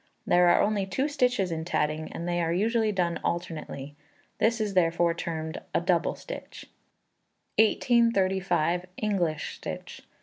There are only two stitches in tatting, and they are usually done alternately; this is therefore termed a double stitch. 1835. English Stitch.